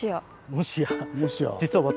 もしや？